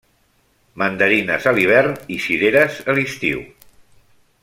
Mandarines a l'hivern i cireres a l'estiu.